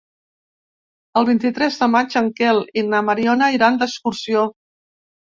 El vint-i-tres de maig en Quel i na Mariona iran d'excursió.